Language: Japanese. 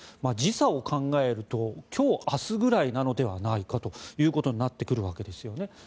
時差を考えると今日、明日ぐらいなのではないかということになってくるわけですね。